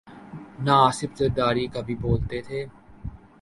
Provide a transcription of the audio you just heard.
نہ آصف علی زرداری کبھی بولتے تھے۔